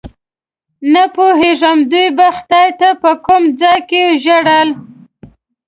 نه پوهېږم دوی به خدای ته په کوم ځای کې ژړل.